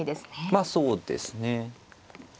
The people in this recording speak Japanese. まあそうですね。